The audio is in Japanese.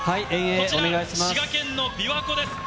こちら滋賀県のびわ湖です。